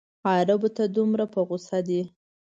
عربو ته دومره په غوسه دی.